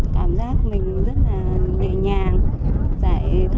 cảm giác mình rất là nhẹ nhàng rất là tĩnh nặng và coi như là kiểu mình về với đất phật